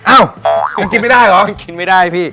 อ้าวยังกินไม่ได้เหรอยังกินไม่ได้พี่